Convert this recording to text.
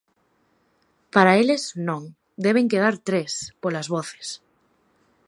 Para eles non, deben quedar tres, polas voces.